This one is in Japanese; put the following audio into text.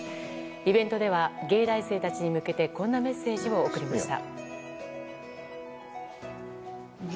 イベントでは藝大生たちに向けてこんなメッセージを送りました。